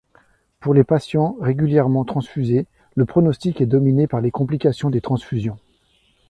Pour les patients régulièrement transfusés, le pronostic est dominé par les complications des transfusions.